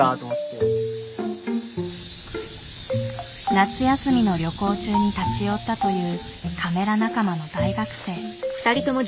夏休みの旅行中に立ち寄ったというカメラ仲間の大学生。